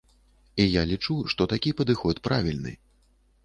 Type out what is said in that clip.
І я лічу, што такі падыход правільны.